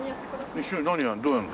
一緒に何やるの？